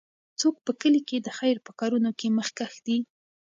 څوک په کلي کې د خیر په کارونو کې مخکښ دی؟